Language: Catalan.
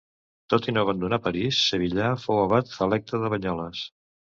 Tot i no abandonar París, Sevillà fou abat electe de Banyoles.